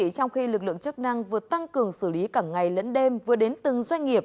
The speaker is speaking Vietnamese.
trong khi lực lượng chức năng vừa tăng cường xử lý cả ngày lẫn đêm vừa đến từng doanh nghiệp